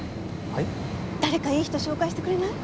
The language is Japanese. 誰かいい人紹介してくれない？